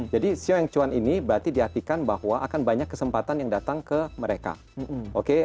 jadi sio yang cuan ini berarti diartikan bahwa akan banyak kesempatan yang datang ke mereka oke